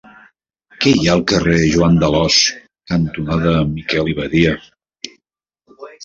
Què hi ha al carrer Joan d'Alòs cantonada Miquel i Badia?